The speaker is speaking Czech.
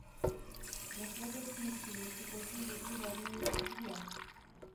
Na svatební hostině si každý hledí hlavně jídla.